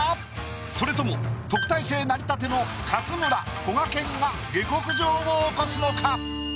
それとも特待生なりたての勝村こがけんが下克上を起こすのか？